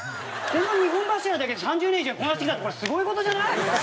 この２本柱だけで３０年以上こなしてきたのこれすごい事じゃない？